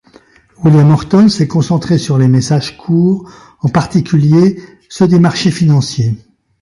William Orton s'est concentré sur les messages courts, en particulier ceux des marchés financiers.